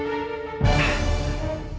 yang jelas gelang ini sudah sama saya